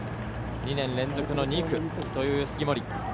２年連続の２区という杉森。